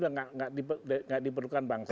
nggak diperlukan bangsa ini